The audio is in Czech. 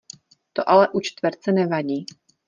To ale u čtverce nevadí.